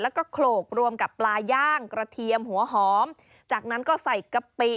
แล้วก็โขลกรวมกับปลาย่างกระเทียมหัวหอมจากนั้นก็ใส่กะปิ